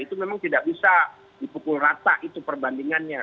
itu memang tidak bisa dipukul rata itu perbandingannya